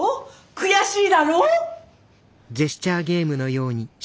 悔しいだろ？